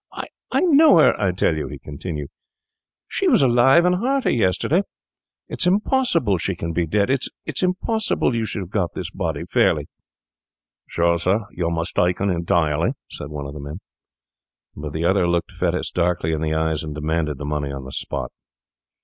'I know her, I tell you,' he continued. 'She was alive and hearty yesterday. It's impossible she can be dead; it's impossible you should have got this body fairly.' 'Sure, sir, you're mistaken entirely,' said one of the men. But the other looked Fettes darkly in the eyes, and demanded the money on the spot.